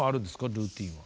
ルーティーンは。